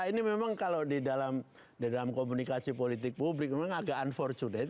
ini memang kalau di dalam komunikasi politik publik memang agak unfortunate